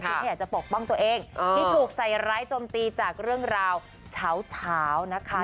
พี่แพทย์จะปกป้องตัวเองที่ถูกใส่ไร้จมตีจากเรื่องราวเฉานะคะ